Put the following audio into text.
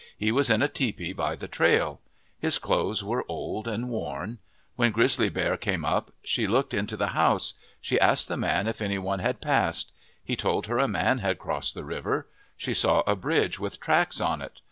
He was in a tepee by the trail. His clothes were old and worn. When Griz zly Bear came up, she looked into the house. She asked the man if any one had passed. He told her a man had crossed the river. She saw a bridge with tracks on it.